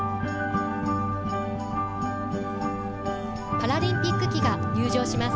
パラリンピック旗が入場します。